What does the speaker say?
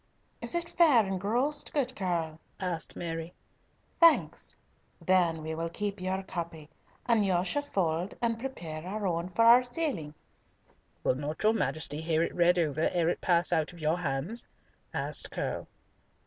"Is it fair engrossed, good Curll?" asked Mary. "Thanks. Then will we keep your copy, and you shall fold and prepare our own for our sealing." "Will not your Majesty hear it read over ere it pass out of your hands?" asked Curll.